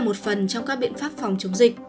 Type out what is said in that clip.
một phần trong các biện pháp phòng chống dịch